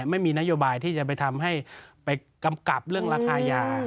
ไม่มีนโยบายที่จะไปทำให้ไปกำกับเรื่องราคายา